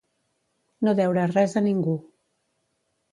No deure res a ningú.